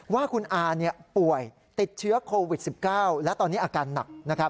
ว่าคุณอาป่วยติดเชื้อโควิด๑๙และตอนนี้อาการหนัก